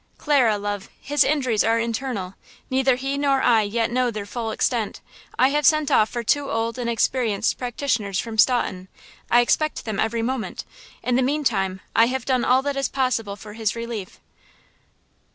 "Clara, love, his injuries are internal! Neither he nor I yet know their full extent. I have sent off for two old and experienced practitioners from Staunton. I expect them every moment. In the mean time, I have done all that is possible for his relief."